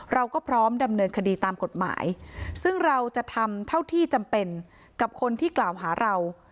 เราก็พร้อมดำเนินคดีตามกฎหมายซึ่งเราจะทำเท่าที่จำเป็นกับคนที่กล่าวหาเรา